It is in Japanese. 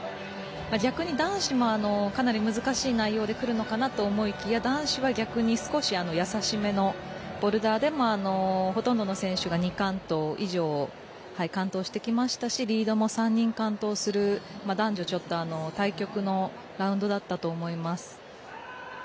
逆に、男子もかなり難しい内容でくるのかと思いきや男子は逆に少しやさしめのボルダーでもほとんどの選手が２完登以上完登してきましたしリードも３人、完登する男女、対極のラウンドだったと思います。